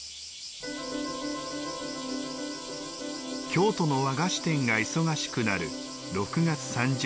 京都の和菓子店が忙しくなる、６月３０日。